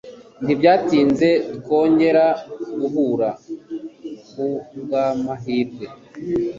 Ntibyatinze twongera guhura kubwamahirwe.